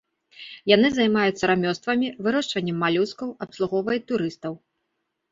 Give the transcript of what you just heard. Яны займаюцца рамёствамі, вырошчваннем малюскаў, абслугоўваюць турыстаў.